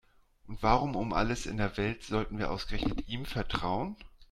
Und warum um alles in der Welt sollten wir ausgerechnet ihm vertrauen?